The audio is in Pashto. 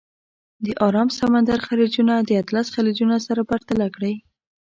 د ارام سمندر خلیجونه د اطلس خلیجونه سره پرتله کړئ.